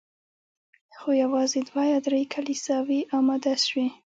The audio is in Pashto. خو یوازي دوه یا درې کلیساوي اماده سوې